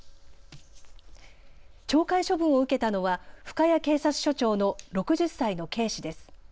懲戒処分を受けたのは深谷警察署長の６０歳の警視です。